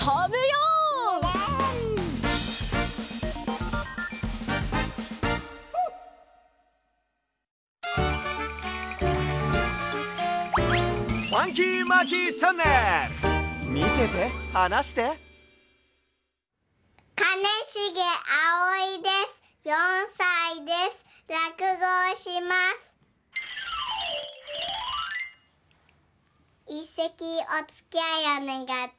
いっせきおつきあいおねがい。